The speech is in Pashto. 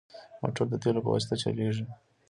موټر د تیلو په واسطه چلېږي.